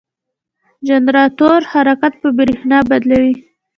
جنراتور حرکت په برېښنا بدلوي.